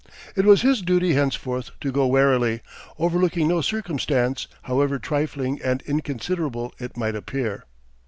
It was his duty henceforth to go warily, overlooking no circumstance, however trifling and inconsiderable it might appear.